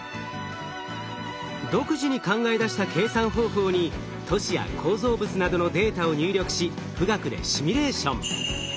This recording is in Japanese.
独自に考え出した計算方法に都市や構造物などのデータを入力し富岳でシミュレーション。